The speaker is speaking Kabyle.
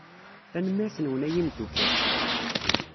Tanemmirt-nwen a imeddukal.